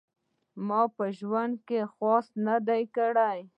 ما په ژوند خواست نه دی کړی .